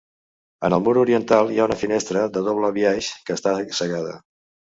En el mur oriental hi ha una finestra de doble biaix que està cegada.